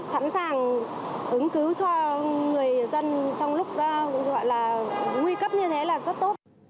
sẵn sàng ứng cứu cho người dân trong lúc gọi là nguy cấp như thế là rất tốt